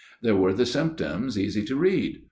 There were the symptoms, easy to read.